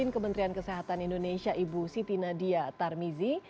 kementerian kesehatan indonesia ibu siti nadia tarmizi